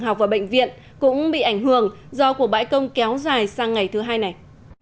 học và bệnh viện cũng bị ảnh hưởng do cuộc bãi công kéo dài sang ngày thứ hai này